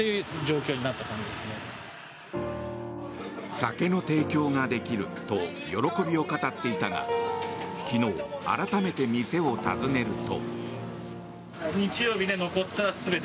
酒の提供ができると喜びを語っていたが昨日、改めて店を訪ねると。